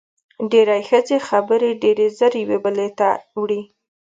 ډېری ښځې خبرې ډېرې زر یوې بلې ته وړي.